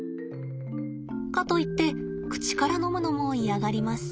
かといって口から飲むのも嫌がります。